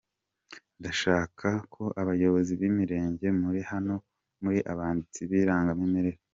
Ndashaka ko abayobozi b’imirenge muri hano, muri abanditsi b’irangamimerere.